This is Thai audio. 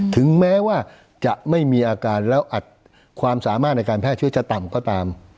ถึงแม้ว่าจะไม่มีอาการแล้วอัดความสามารถในการแพร่เชื้อจะต่ำก็ตาม